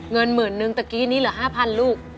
เงินหมื่นนึงตะกี้นี้เหลือ๕๐๐ลูก